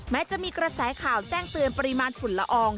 แม้จะมีกระแสข่าวแจ้งเตือนปริมาณฝุ่นละออง